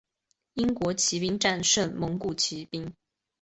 英国骑兵战胜蒙古骑兵。